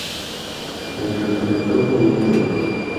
El recolector de Newton, Mr.